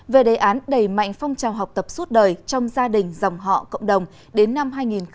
về đề án đẩy mạnh phong trào học tập suốt đời trong gia đình dòng họ cộng đồng đến năm hai nghìn hai mươi